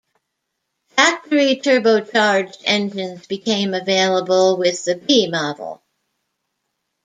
Factory turbocharged engines became available with the B model.